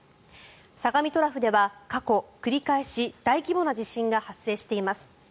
相模トラフでは過去、繰り返し大規模な地震が発生しています。